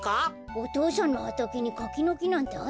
お父さんのはたけにかきのきなんてあったっけな？